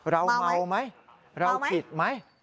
เราเมาไหมเราผิดไหม